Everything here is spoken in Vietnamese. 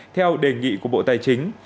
theo đề nghị của bộ tài chính